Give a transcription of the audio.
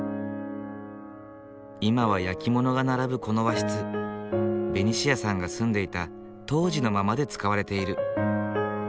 今は焼き物が並ぶこの和室ベニシアさんが住んでいた当時のままで使われている。